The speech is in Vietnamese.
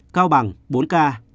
cao bằng bốn ca